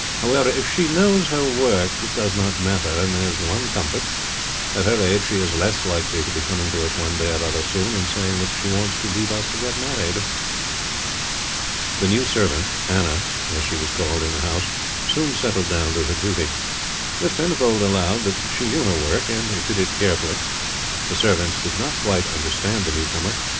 However, if she knows her work it does not matter; and there's one comfort, at her age she is less likely to be coming to us one day or other soon and saying that she wants to leave us to get married." The new servant, Anna, as she was called in the house soon settled down to her duty. Miss Penfold allowed that she knew her work and did it carefully. The servants did not quite understand the newcomer.